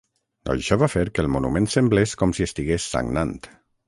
Això va fer que el monument semblés com si estigués sagnant.